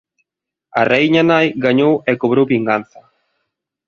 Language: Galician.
A raíña nai gañou e cobrou vinganza.